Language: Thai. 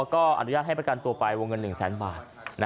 ก็อนุญาตให้ประกันตัวไปวงเงิน๑แสนบาท